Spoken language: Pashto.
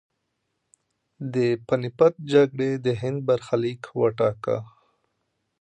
د پاني پت جګړې د هند برخلیک وټاکه.